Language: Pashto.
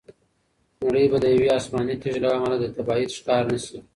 نړۍ به د یوې آسماني تیږې له امله د تباهۍ ښکار نه شي.